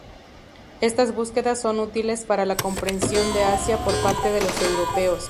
Estas búsquedas son útiles para la comprensión de Asia por parte de los europeos.